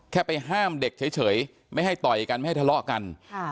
แค่ไปห้ามเด็กเฉยไม่ให้ต่อยกันไม่ให้ทะเลาะกัน